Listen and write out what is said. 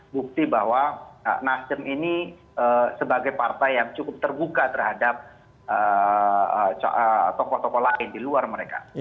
bukti bahwa nasdem ini sebagai partai yang cukup terbuka terhadap tokoh tokoh lain di luar mereka